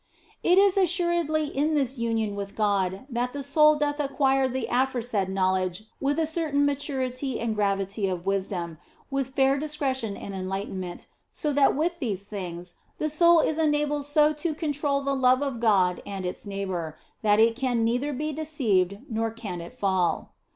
It is assuredly in its union with God that the soul doth acquire the aforesaid knowledge with a certain maturity and gravity of wisdom, with fair discretion and enlighten ment, so that with these things the soul is enabled so to control the love of God and its neighbour, that it can neither be deceived nor can it fall.